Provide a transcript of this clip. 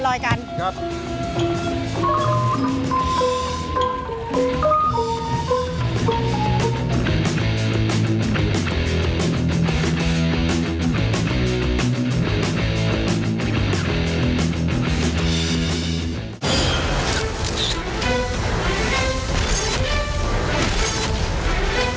รอยง่ายคุณธุวิทย์น่ะมารอยกันครับ